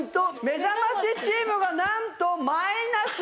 めざましチームが何とマイナス。